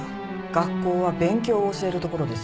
学校は勉強を教える所です。